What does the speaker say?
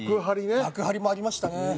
『幕張』もありましたね。